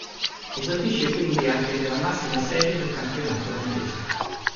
Esordisce quindi anche nella massima serie del campionato olandese.